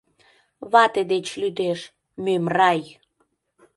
Вате деч лӱдеш, мӧмрай!